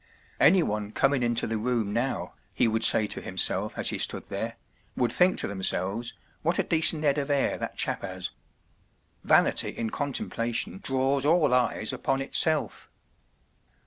“ Anyone cornin’ into the room now,” he would say to himself as he stood there, “ would think to themselves, what a decent ’ead of ’air that chap ’as.” Vanity in contempla¬ tion draws all eyes upon itself.